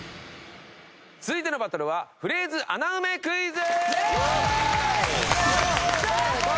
続いてのバトルはフレーズ穴埋めクイズ！